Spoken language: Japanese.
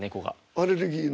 アレルギーの。